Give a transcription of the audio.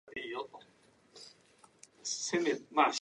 It was also needed to train machinists for the growing fleet.